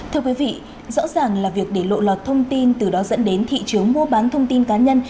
thưa quý vị rõ ràng là việc để lộ lọt thông tin từ đó dẫn đến thị trường mua bán thông tin cá nhân